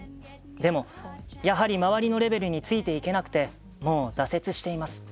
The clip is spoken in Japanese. でも、やはり周りのレベルについていけなくてもう挫折しています。